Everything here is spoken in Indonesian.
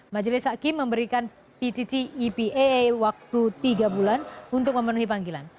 majelis hakim memberikan pttepaa waktu tiga bulan untuk memenuhi panggilan